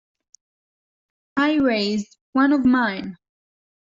I raised one of mine.